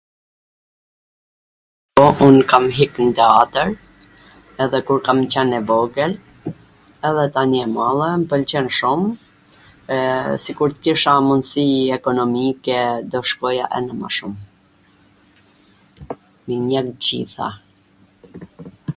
po, un kam hik n teatwr, edhe kur kam qwn e vogwl, edhe tani e madhe, m pwlqen shum, ee sikur t kisha mundsi ekonomike do shkoja ene ma shum... minjen t gjitha